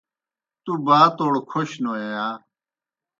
تُوْ باتوڑ کھوشنوئے یا؟